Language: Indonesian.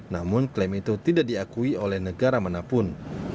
namun klaim itu tidak diakui oleh negara manapun